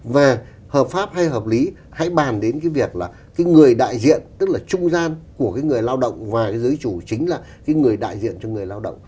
và hợp pháp hay hợp lý hãy bàn đến cái việc là cái người đại diện tức là trung gian của cái người lao động và cái giới chủ chính là cái người đại diện cho người lao động